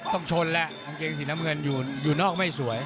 ต้องชนแล้วกางเกงสีน้ำเงินอยู่นอกไม่สวย